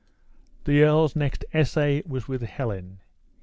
The earl's next essay was with Helen.